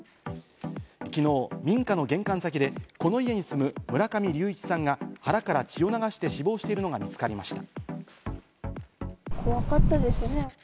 昨日、民家の玄関先で、この家に住む村上隆一さんが腹から血を流して死亡しているのが見つかりました。